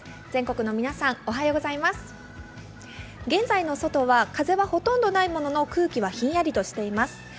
全国の皆さん、おはようございます現在の外は風はほとんどないものの、空気はひんやりしています。